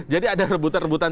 jadi ada rebutan rebutan